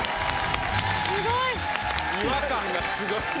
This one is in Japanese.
違和感がすご過ぎ。